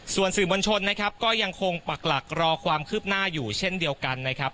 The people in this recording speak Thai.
ส่วนสื่อมวลชนนะครับก็ยังคงปักหลักรอความคืบหน้าอยู่เช่นเดียวกันนะครับ